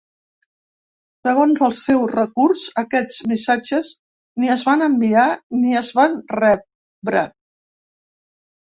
Segons el seu recurs, aquests missatges, ni es van enviar ni es van rebre.